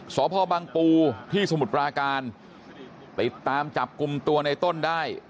สพบังปูที่สมุทรปราการติดตามจับกลุ่มตัวในต้นได้